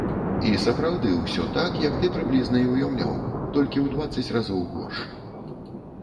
І сапраўды, усё так, як ты прыблізна і ўяўляў, толькі ў дваццаць разоў горш.